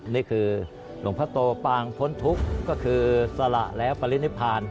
นี่คือหลวงพ่อโตปางพ้นทุกข์ก็คือสละและปรินิพาน